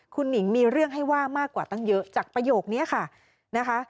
คุณหนิงมีเรื่องให้ว่ามากกว่าตั้งเยอะจากประโยคนี้ค่ะนะคะ